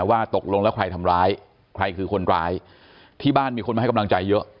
ว่าตกลงแล้วใครทำร้ายใครคือคนร้ายที่บ้านมีคนมาให้กำลังใจเยอะ